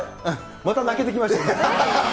また泣けてきました。